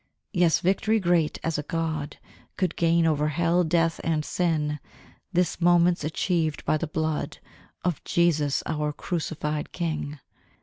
Yes, victory great as a God Could gain over hell, death, and sin, This moment's achieved by the blood Of Jesus, our crucified King.